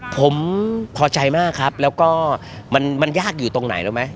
ผมพอใจมากครับแล้วก็มันยากอยู่ตรงไหนรู้ไหม